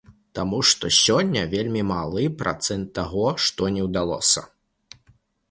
Таму што сёння вельмі малы працэнт таго што не ўдалося.